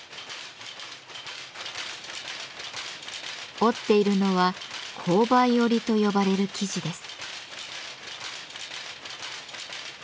織っているのは「紅梅織」と呼ばれる生地です。